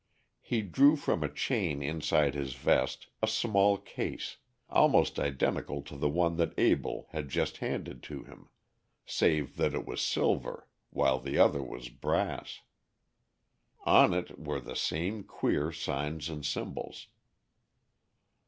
He drew from a chain inside his vest a small case, almost identical to the one that Abell had just handed to him, save that it was silver, while the other was brass. On it were the same queer signs and symbols.